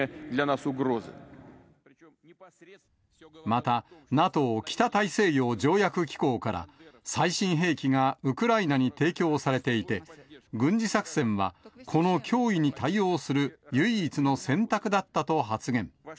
また、ＮＡＴＯ・北大西洋条約機構から、最新兵器がウクライナに提供されていて、軍事作戦はこの脅威に対応する唯一の選択だったと発言。